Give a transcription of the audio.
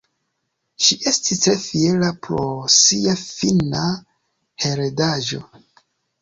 Ŝi estis tre fiera pro sia finna heredaĵo.